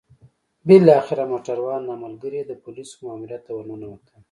بالاخره موټروان او ملګري يې د پوليسو ماموريت ته ورننوتل.